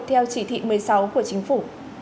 theo chỉ thị một mươi sáu của chính phủ